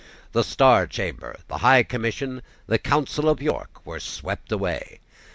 The Star Chamber, the High Commission, the Council of York were swept away.